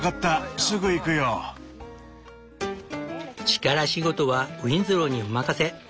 力仕事はウィンズローにお任せ。